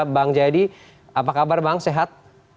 bang jayadi apa kabar bang sehat